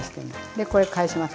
でこれ返します。